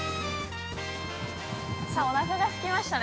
◆さあ、おなかがすきましたね。